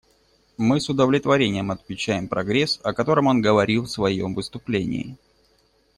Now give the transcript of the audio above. Мы с удовлетворением отмечаем прогресс, о котором он говорил в своем выступлении.